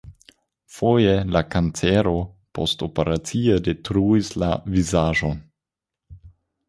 Foje la kancero postoperacie detruis la vizaĝon.